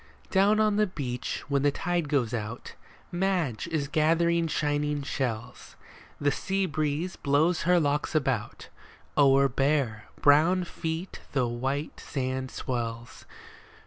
Down on the beach, when the tide goes out, Madge is gathering shining shells ; The sea breeze blows her locks about ; O'er bare, brown feet the white sand swells.